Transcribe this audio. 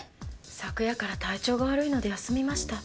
昨夜から体調が悪いので休みました。